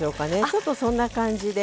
ちょっとそんな感じで。